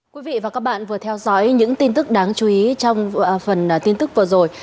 quý vị và các bạn vừa theo dõi những tin tức đáng chú ý trong phần tin tức vừa rồi